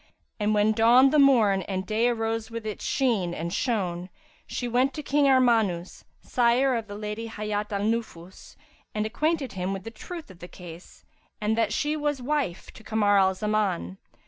And when dawned the morn and day arose with its sheen and shone, she sent to King Armanus, sire of the Lady Hayat al Nufus, and acquainted him with the truth of the case and that she was wife to Kamar al Zaman.